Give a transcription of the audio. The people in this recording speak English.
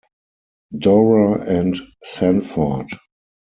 Dora and Sanford.